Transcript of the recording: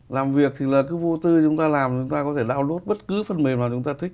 làm việc thì là cứ vô tư chúng ta làm chúng ta có thể lướt bất cứ phần mềm nào chúng ta thích